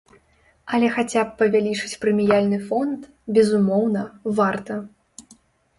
Але хаця б павялічыць прэміяльны фонд, безумоўна, варта.